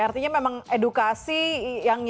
artinya memang edukasi yang